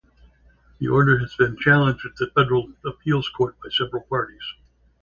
This order has been challenged at the Federal Appeals Court by several parties.